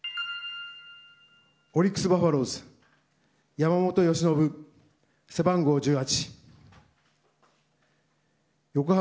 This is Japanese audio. オリックス・バファローズ山本由伸、背番号１８。